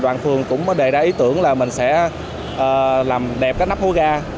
đoàn phường cũng đề ra ý tưởng là mình sẽ làm đẹp cái nắp hố ga